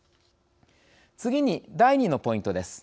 次に第２のポイントです。